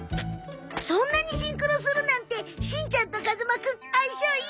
そんなにシンクロするなんてしんちゃんと風間くん相性いいね！